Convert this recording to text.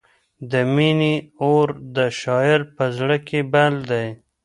د مینې اور د شاعر په زړه کې بل دی.